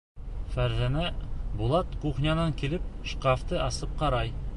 Фәрзәнә, Булат кухнянан килеп шкафты асып ҡарай.